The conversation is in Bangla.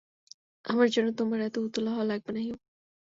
আমার জন্য তোমার এত উতলা হওয়া লাগবে না, হিউ।